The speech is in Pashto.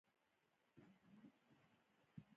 سږ کال د وطن رومي هېڅ نرخ نه لري.